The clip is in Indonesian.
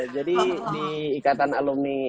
jadi di ikatan alumni